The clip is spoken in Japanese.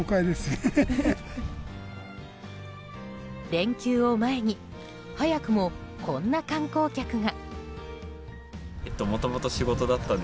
連休を前に早くも、こんな観光客が。